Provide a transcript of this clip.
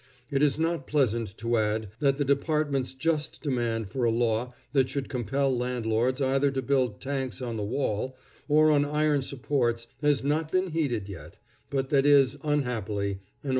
It is not pleasant to add that the department's just demand for a law that should compel landlords either to build tanks on the wall or on iron supports has not been heeded yet; but that is, unhappily, an old story.